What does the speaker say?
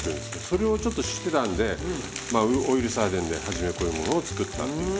それをちょっと知ってたんでまあオイルサーディンで初めこういうものを作ったっていう。